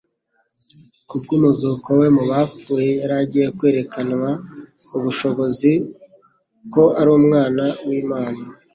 Kubw'umuzuko we mu bapfuye yari agiye «kwerekananwa ubushobozi ko ari Umwana w'Imana.»